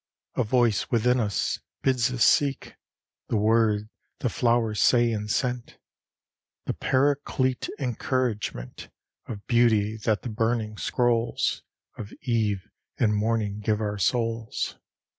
A voice within us bids us seek The word the flowers say in scent: The paraclete encouragement Of beauty that the burning scrolls Of eve and morning give our souls.